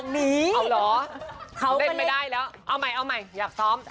ได้มาได้มา